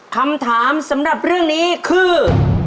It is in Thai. คำถามสำหรับเรื่องนี้คือ